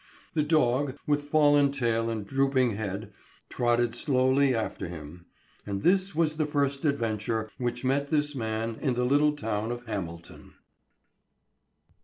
The dog, with fallen tail and drooping head, trotted slowly after him. And this was the first adventure which met this man in the little town of Hamilton.